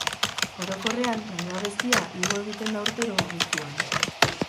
Orokorrean, langabezia igo egiten da urtero, abuztuan.